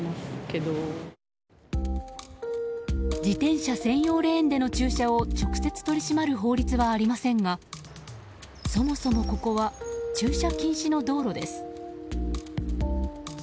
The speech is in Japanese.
自転車専用レーンでの駐車を直接取り締まる法律はありませんがそもそもここは、駐車禁止の道路です。